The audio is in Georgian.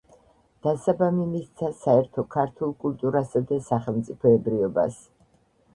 დასაბამი მისცა საერთო ქართულ კულტურასა და სახელმწიფოებრიობას.